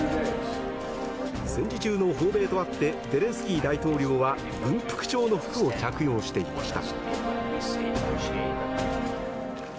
戦時中の訪米とあってゼレンスキー大統領は軍服調の服を着用していました。